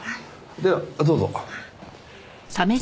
ではどうぞ。